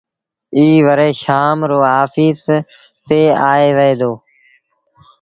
ائيٚݩ وري شآم رو آڦيٚس تي آئي وهي دو۔